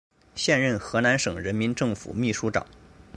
现任河南省人民政府秘书长。